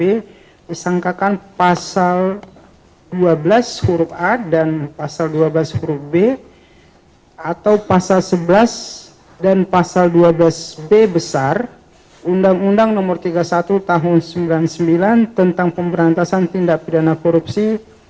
disangkakan pasal dua belas huruf a dan pasal dua belas huruf b atau pasal sebelas dan pasal dua belas b besar undang undang nomor tiga puluh satu tahun seribu sembilan ratus sembilan puluh sembilan tentang pemberantasan tindak pidana korupsi